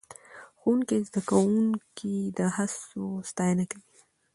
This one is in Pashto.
ښوونکی زده کوونکي د هڅو ستاینه کوي